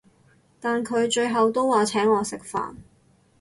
但佢最後都話請我食飯